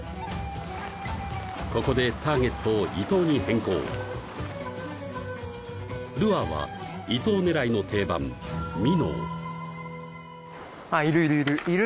ここでターゲットをイトウに変更ルアーはイトウ狙いの定番ミノー